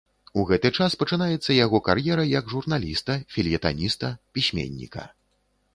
У гэты час пачынаецца яго кар'ера як журналіста, фельетаніста, пісьменніка.